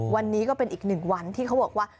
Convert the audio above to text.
วันนี้ก็เป็นอีกหนึ่งวันที่เขาบอกว่า